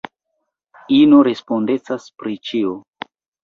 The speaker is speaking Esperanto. Ino respondecas pri ĉio.